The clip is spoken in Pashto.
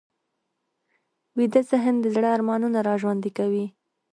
ویده ذهن د زړه ارمانونه راژوندي کوي